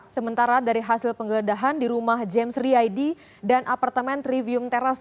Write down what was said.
sementara dari hasil penggeledahan di rumah james riaidi dan apartemen trivium teras